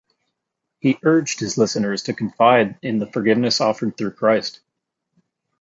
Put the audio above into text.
He urged his listeners to confide in the forgiveness offered through Christ.